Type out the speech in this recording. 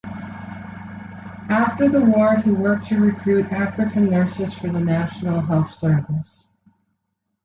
After the war he worked to recruit African nurses for the National Health Service.